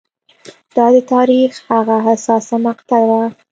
دا د تاریخ هغه حساسه مقطعه وه